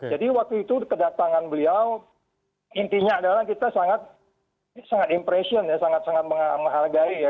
jadi waktu itu kedatangan beliau intinya adalah kita sangat impression ya sangat menghargai ya